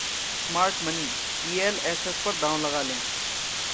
smart money ELSS पर दांव लगा लें